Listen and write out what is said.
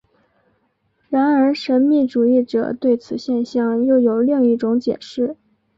然而神秘主义者对此现象又有另一种解释。